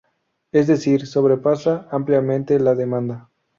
Es decir, sobrepasa ampliamente la demanda.